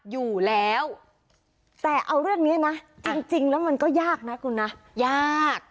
อยู่แล้วแต่เอาเรื่องนี้นะจริงแล้วมันก็ยากนะคุณนะยาก